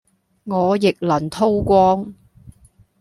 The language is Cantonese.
我亦能叨光